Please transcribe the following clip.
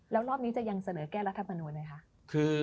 แล้วรอบนี้จะยังเสนอแก้รัฐมนูลไหมคะ